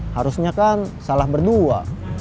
harusnya kan salah berdua